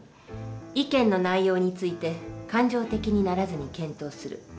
意見の内容について感情的にならずに検討する。